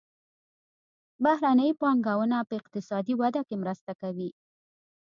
بهرنۍ پانګونه په اقتصادي وده کې مرسته کوي.